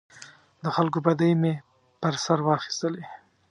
د خلکو بدۍ مې پر سر واخیستلې.